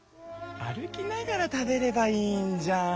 歩きながら食べればいいんじゃん。